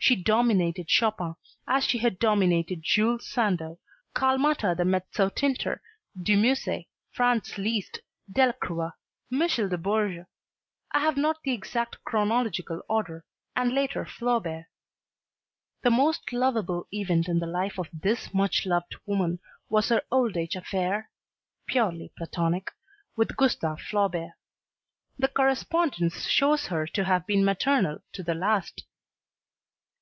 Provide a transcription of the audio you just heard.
She dominated Chopin, as she had dominated Jules Sandeau, Calmatta the mezzotinter, De Musset, Franz Liszt, Delacroix, Michel de Bourges I have not the exact chronological order and later Flaubert. The most lovable event in the life of this much loved woman was her old age affair purely platonic with Gustave Flaubert. The correspondence shows her to have been "maternal" to the last.